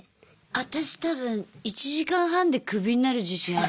私多分１時間半でクビになる自信ある。